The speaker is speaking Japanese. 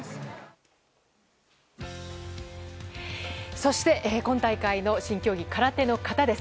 そして今大会の新競技空手の形です。